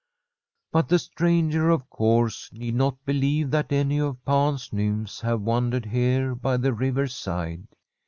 But the stranger, of course, need not believe that any of Pan's nymphs have wandered here by the river's side.